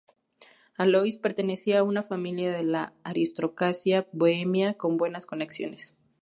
Alois pertenecía a una familia de la aristocracia bohemia con buenas conexiones.